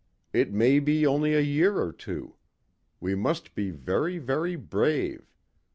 It may be only a year or two. We must be very, very brave.